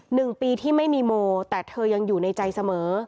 หนึ่งปีที่ไม่มีโมแต่เธอยังอยู่ในใจเสมอ